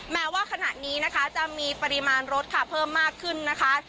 แม้ว่าขณะนี้นะคะจะมีปริมาณรถค่ะเพิ่มมากขึ้นนะคะ